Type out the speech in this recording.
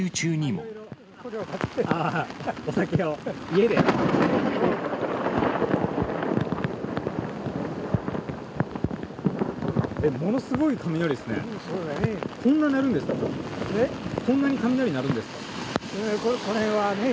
ものすごい雷ですね。